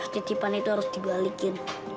titipan itu harus dibalikin